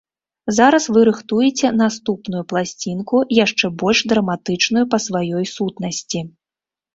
Зараз вы рыхтуеце наступную пласцінку, яшчэ больш драматычную па сваёй сутнасці.